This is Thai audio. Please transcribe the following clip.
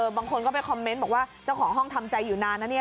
บางคนก็ไปคอมเมนต์บอกว่าเจ้าของห้องทำใจอยู่นานนะเนี่ย